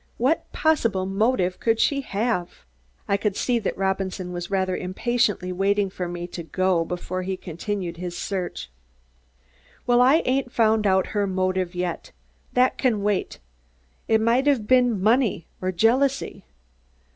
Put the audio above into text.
What possible motive could she have?" I could see that Robinson was rather impatiently waiting for me to go before continuing his search. "Well, I ain't found out her motive yet. That can wait. It might have been money or jealousy."